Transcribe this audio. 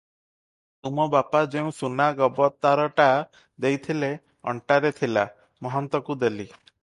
ତୁମ ବାପା ଯେଉଁ ସୁନା ଗବତାରଟା ଦେଇଥିଲେ, ଅଣ୍ଟାରେ ଥିଲା, ମହନ୍ତକୁ ଦେଲି ।